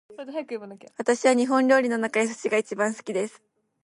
私は日本料理の中で寿司が一番好きです